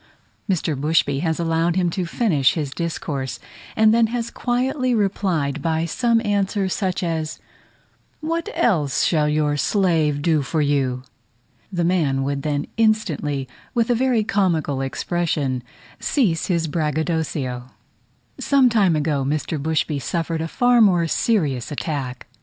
Mr. Bushby has allowed him to finish his discourse, and then has quietly replied by some answer such as, "What else shall your slave do for you?" The man would then instantly, with a very comical expression, cease his braggadocio. Some time ago, Mr. Bushby suffered a far more serious attack.